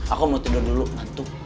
aku mau tidur dulu ngantuk